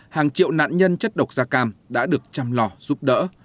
hàng triệu nạn nhân chất độc gia cam đã được chăm lò giúp đỡ